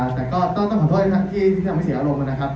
แต่ก็ต้องขอโทษนะครับที่ทำให้เสียอารมณ์นะครับ